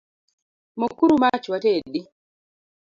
Mok uru mach watedi